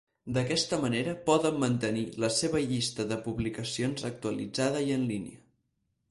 D'aquesta manera, poden mantenir la seva llista de publicacions actualitzada i en línia.